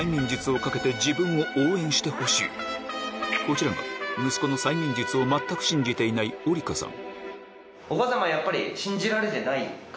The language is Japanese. こちらが息子の催眠術を全く信じていない織香さん